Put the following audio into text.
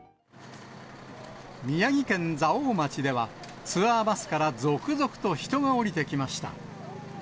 宮城県蔵王町では、ツアーバスから続々と人が降りてきました。